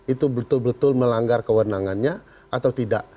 itu betul betul melanggar kewenangannya atau tidak